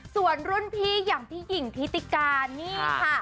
ส่วนรุ่นพี่อย่างพี่หญิงทิติการนี่ค่ะ